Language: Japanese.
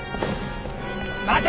待て！